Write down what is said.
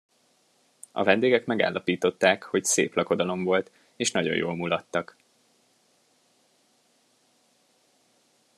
A vendégek megállapították, hogy szép lakodalom volt, és nagyon jól mulattak.